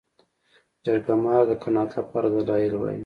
جرګه مار د قناعت لپاره دلایل وايي